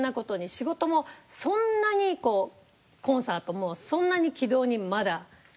仕事もそんなにこうコンサートもそんなに軌道にまだ乗らないぐらいで。